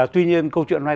tuy nhiên câu chuyện hôm nay